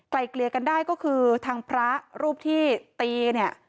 เกลียกันได้ก็คือทางพระรูปที่ตีเนี่ย